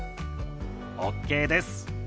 ＯＫです。